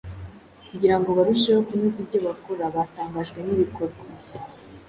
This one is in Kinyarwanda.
kugira ngo barusheho kunoza ibyo bakora. Batangajwe n’ibikorwa